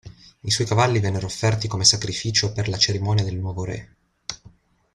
I suoi cavalli vennero offerti come sacrificio per la cerimonia del nuovo re.